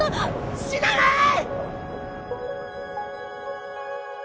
死なない！